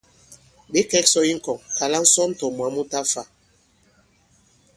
Ɓě kɛ̄k sɔ̄ i ŋkɔŋ, kàla ŋsɔn tɔ̀ moi mu ta fā.